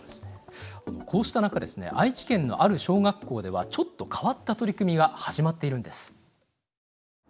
こうした中ですね愛知県のある小学校ではちょっと変わった取り組みが始まっているんです。